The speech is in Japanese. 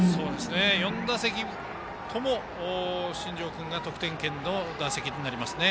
４打席とも、新庄君が得点圏の打席になりますね。